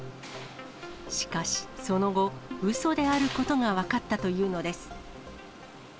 しかしその後、うそであることが分かったというのです。